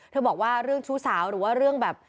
บอกว่าเรื่องชู้สาวหรือว่าเรื่องแบบ